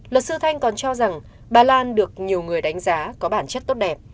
luật sư thanh còn cho rằng bà lan được nhiều người đánh giá có bản chất tốt đẹp